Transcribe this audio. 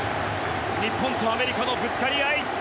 日本とアメリカのぶつかり合い！